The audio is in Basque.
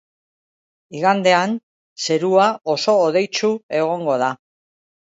Igandean, zerua oso hodeitsu egongo da.